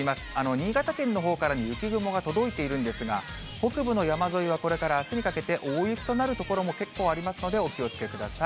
新潟県のほうからの雪雲が届いているんですが、北部の山沿いはこれからあすにかけて大雪となる所も結構ありますので、お気をつけください。